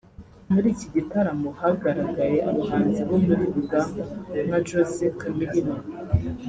muri iki gitaramo hagaragaye abahanzi bo muri Uganda nka Jose Chameleone